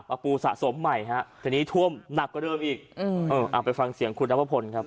ปูสะสมใหม่ฮะทีนี้ท่วมหนักกว่าเดิมอีกอืมเออเอาไปฟังเสียงคุณนวพลครับ